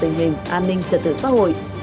ngành an ninh trật tự xã hội